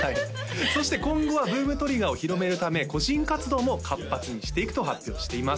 そして今後はＢｏｏｍＴｒｉｇｇｅｒを広めるため個人活動も活発にしていくと発表しています